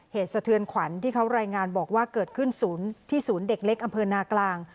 สะเทือนขวัญที่เขารายงานบอกว่าเกิดขึ้นศูนย์ที่ศูนย์เด็กเล็กอำเภอนากลาง